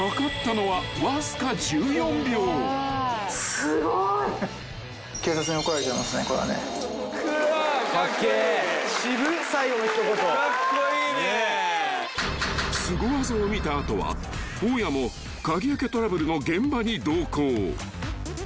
［すご技を見た後は大家も鍵開けトラブルの現場に同行］